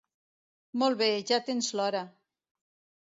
Molt bé, ja tens l'hora.